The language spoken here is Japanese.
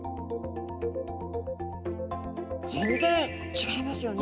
全然違いますよね。